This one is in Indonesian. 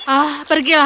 ah pergilah kau